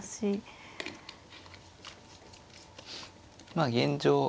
まあ現状